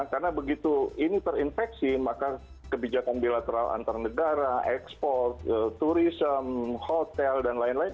karena begitu ini terinfeksi maka kebijakan bilateral antar negara ekspor turisme hotel dan lain lain